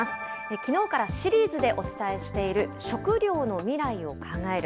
きのうからシリーズでお伝えしている、食料の未来を考える。